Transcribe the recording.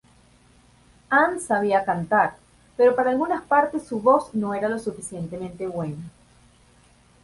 Ann sabía cantar, pero para algunas partes su voz no era lo suficientemente buena.